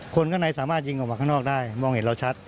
คนข้างในสามารถยิงออกมาข้างนอกได้มองเห็นเราชัด